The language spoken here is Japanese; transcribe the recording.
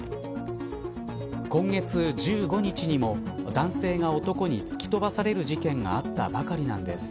今月１５日にも男性が男に突き飛ばされる事件があったばかりなんです。